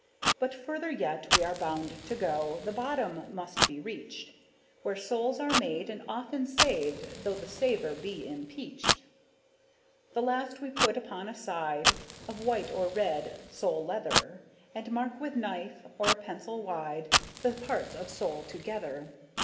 But further yet, we are bound to go, The bottom must be reached, Where soles are made and often saved, 'Though the saver be impeached. The last we put upon a side Of white or red sole leather, And mark with knife, or pencil wide, The parts of sole together.